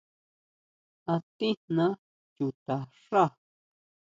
¿A tijná chuta xá?